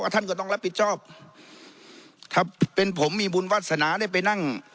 ท่านก็ต้องรับผิดชอบถ้าเป็นผมมีบุญวาสนาได้ไปนั่ง